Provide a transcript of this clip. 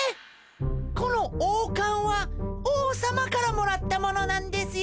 この王かんは王さまからもらったものなんですよ。